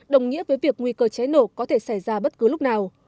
đồng nghĩa với việc nguy cơ cháy nổ có thể xảy ra bất cứ lúc nào